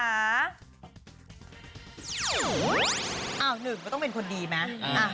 อ้าวหนึ่งก็ต้องเป็นคนดีไหม